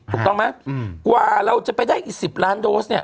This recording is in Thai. ถูกต้องไหมกว่าเราจะไปได้อีก๑๐ล้านโดสเนี่ย